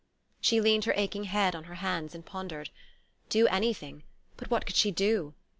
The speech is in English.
She leaned her aching head on her hands and pondered. Do anything? But what could she do?